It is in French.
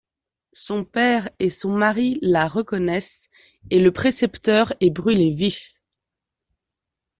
Son père et son mari la reconnaissent, et le précepteur est brûlé vif.